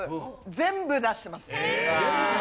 全部出してます。